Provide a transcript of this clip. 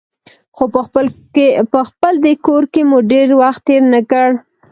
خو په خپل دې کور کې مو ډېر وخت تېر نه کړ.